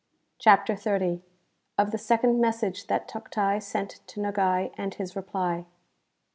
CHAPTER XXX. Of the Second Message that Toctai sent to Nogai, and HIS Reply.